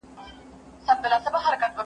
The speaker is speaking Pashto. ايا ته سپينکۍ مينځې!.